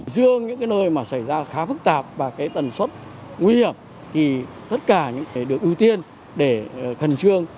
riêng những cái nơi mà xảy ra khá phức tạp và cái tần suất nguy hiểm thì tất cả những cái được ưu tiên để khẩn trương